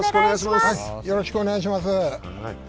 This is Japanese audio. よろしくお願いします。